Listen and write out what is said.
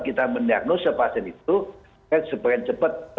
kita mendiagnose pasien itu semakin cepat